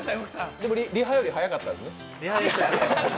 でも、リハより速かったですよ。